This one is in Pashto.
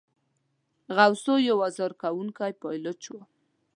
غوثو یو آزار کوونکی پایلوچ وو.